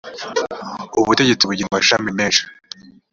ubutegetsi bugira amashami meshi.